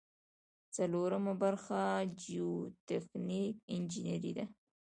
څلورمه برخه جیوتخنیک انجنیری ده.